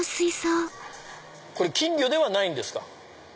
これ金魚ではないんですか？